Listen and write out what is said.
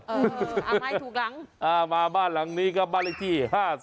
เออเอาใหม่ถูกหลังมาบ้านหลังนี้ครับบ้านหลังที่๕๓๓๕